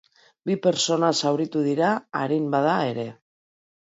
Bi pertsona zauritu dira, arin bada ere.